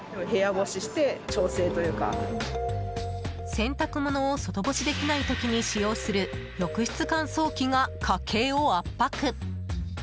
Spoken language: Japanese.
洗濯物を外干しできない時に使用する浴室乾燥機が家計を圧迫。